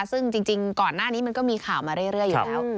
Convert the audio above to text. ซึ่งจริงก่อนหน้านี้มันก็มีข่าวมาเรื่อยอยู่แล้ว